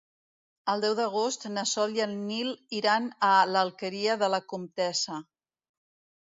El deu d'agost na Sol i en Nil iran a l'Alqueria de la Comtessa.